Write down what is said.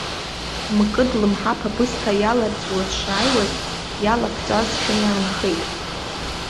Мкыд лымҳаԥ абысҭа иаларҵәиуа дшааиуаз, иалаԥҵәазшәа иаанхеит.